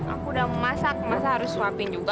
aku udah memasak masa harus swapin juga